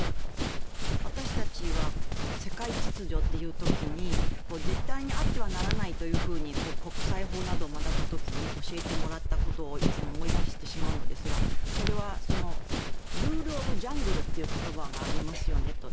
私たちは世界秩序という時に絶対にあってはならないというふうに国際法などを学ぶ時に教えてもらったことをいつも思い出してしまうのですがそれはルール・オブ・ジャングルという言葉がありますよねと。